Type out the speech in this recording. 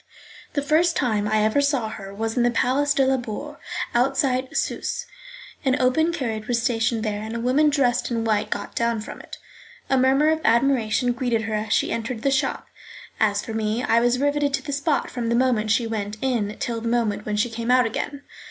The first time I ever saw her was in the Place de la Bourse, outside Susse's; an open carriage was stationed there, and a woman dressed in white got down from it. A murmur of admiration greeted her as she entered the shop. As for me, I was rivetted to the spot from the moment she went in till the moment when she came out again.